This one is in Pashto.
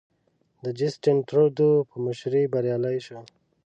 د جسټین ترودو په مشرۍ بریالی شو.